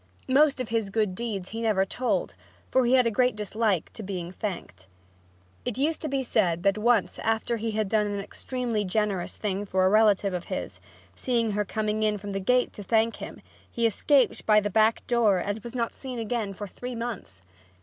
Most of his good deeds he never told, for he had a great dislike to being thanked. It used to be said that once, after he had done an extremely generous thing for a relative of his, seeing her coming in the front gate to thank him, he escaped by the back door and was not seen again for three months.